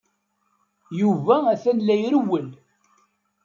Yuba atan la irewwel.